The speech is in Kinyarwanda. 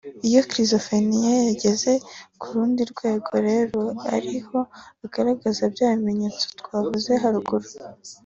Iyo schizophrenia yageze ku rundi rwego rero ari ho agaragaza bya bimenyetso twavuze haruguru